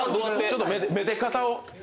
ちょっとめで方を。